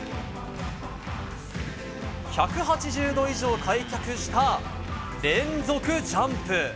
１８０度以上開脚した連続ジャンプ。